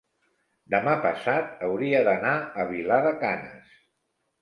Demà passat hauria d'anar a Vilar de Canes.